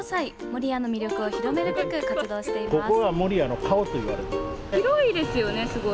守谷の魅力を広めるべく活動しています。